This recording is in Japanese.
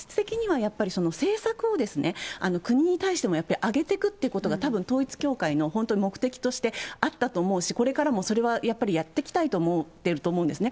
やっぱりその政策を、国に対してもやっぱり上げてくということは、統一教会の本当に目的としてあったと思うし、これからもそれはやっぱりやっていきたいと思っていると思うんですね。